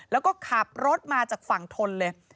แล้วก็ขับรถมาจากฝั่งทนเลย